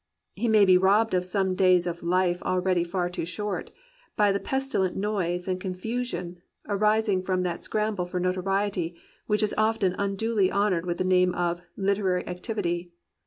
He may be robbed of some days of a life al ready far too short, by the pestilent noise and confusion arising from that scramble for notoriety which is often unduly honoured with the name of "literary activity."